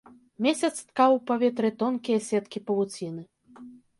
Месяц ткаў у паветры тонкія сеткі павуціны.